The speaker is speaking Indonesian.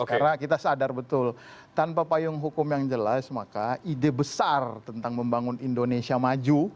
karena kita sadar betul tanpa payung hukum yang jelas maka ide besar tentang membangun indonesia maju